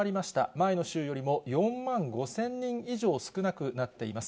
前の週よりも４万５０００人以上少なくなっています。